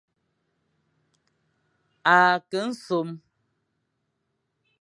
A ke nsom.